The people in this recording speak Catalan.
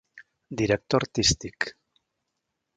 Director artístic: